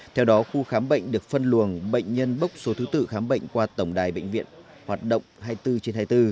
theo đó khu khám bệnh được phân luồng bệnh nhân bốc số thứ tự khám bệnh qua tổng đài bệnh viện hoạt động hai mươi bốn trên hai mươi bốn